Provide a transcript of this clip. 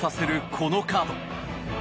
このカード。